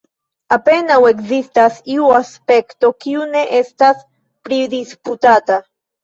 Apenaŭ ekzistas iu aspekto, kiu ne estas pridisputata.